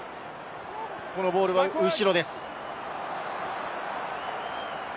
このボールは後ろです。